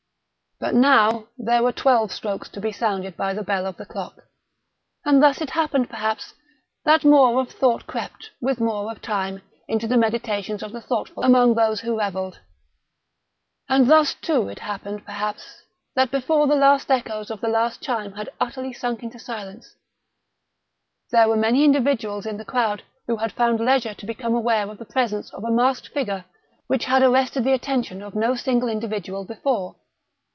But now there were twelve strokes to be sounded by the bell of the clock; and thus it happened, perhaps, that more of thought crept, with more of time, into the meditations of the thoughtful among those who revelled. And thus, too, it happened, perhaps, that before the last echoes of the last chime had utterly sunk into silence, there were many individuals in the crowd who had found leisure to become aware of the presence of a masked figure which had arrested the attention of no single individual before.